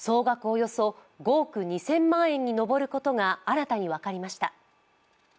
およそ５億２０００万円に上ることが新たに分かりました。